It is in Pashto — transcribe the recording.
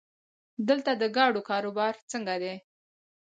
دلته د ګاډو کاروبار څنګه دی؟